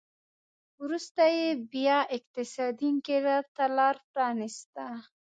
وروسته یې بیا اقتصادي انقلاب ته لار پرانېسته